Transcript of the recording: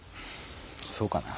そうかな？